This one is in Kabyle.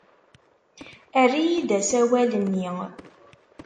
Err-iyi-d asawal-nni.